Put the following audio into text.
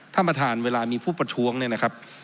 ท่านประธานเวลามีผู้ประท้วงเนี่ยนะครับ